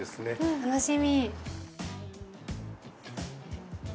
楽しみ。